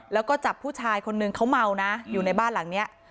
แล้วก็จับผู้ชายคนนึงเขาเมานะอยู่ในบ้านหลังนี้